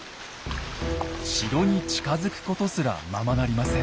城に近づくことすらままなりません。